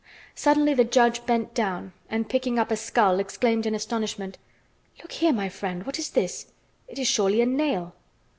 Suddenly the judge bent down, and picking up a skull, exclaimed in astonishment: "Look here, my friend, what is this? It is surely a nail!"